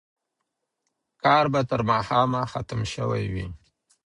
کار به تر ماښامه ختم شوی وي.